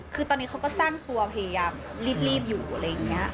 คือตอนนี้เขาก็สร้างตัวพยายามรีบอยู่อะไรอย่างนี้